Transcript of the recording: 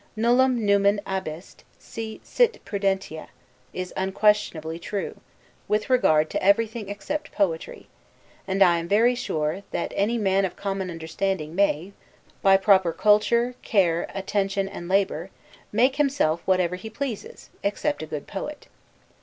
'Nullum numen abest, si sit prudentia,' is unquestionably true, with regard to everything except poetry; and I am very sure that any man of common understanding may, by proper culture, care, attention, and labor, make himself whatever he pleases, except a good poet.